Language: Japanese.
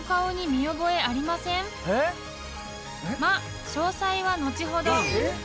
［まっ詳細は後ほど］